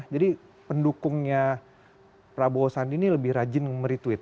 pendukungnya prabowo sandi ini lebih rajin meretweet